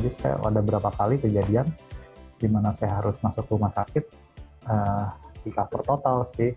jadi saya ada beberapa kali kejadian di mana saya harus masuk rumah sakit di cover total sih